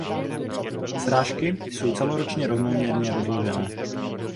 Srážky jsou celoročně rovnoměrně rozložené.